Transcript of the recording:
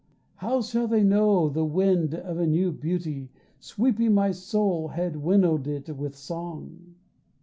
How should they know the wind of a new beauty Sweeping my soul had winnowed it with song?